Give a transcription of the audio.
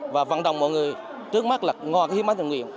và vận động mọi người trước mắt là ngòa cái hiến máu tình nguyện